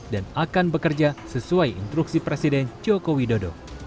dan akan bekerja sesuai instruksi presiden joko widodo